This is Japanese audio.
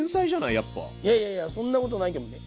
いやいやいやそんなことないけどね。